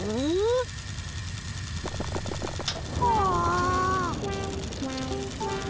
ああ。